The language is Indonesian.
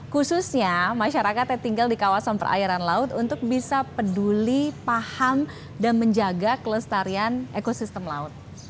khususnya masyarakat yang tinggal di kawasan perairan laut untuk bisa peduli paham dan menjaga kelestarian ekosistem laut